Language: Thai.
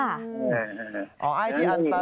อ๋อไอที่อันตราย